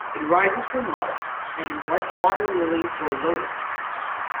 It rises from mud, and is like water lily or lotus.